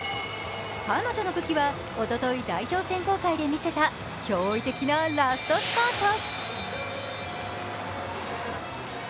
彼女の武器はおととい、代表選考会で見せた驚異的なラストスパート。